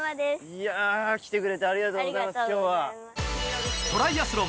いや来てくれてありがとうございます今日は。